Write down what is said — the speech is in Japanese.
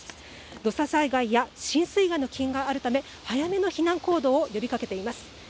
土砂災害や浸水の被害の危険があるため、早めの避難行動を呼びかけてください。